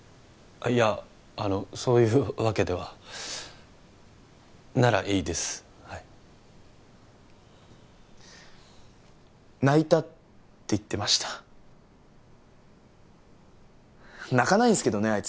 あっいやあのそういうわけではならいいですはい「泣いた」って言ってました泣かないんすけどね